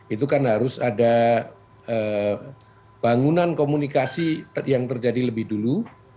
itu kan harus ada bangunan komunikasi yang terjadi lebih dulu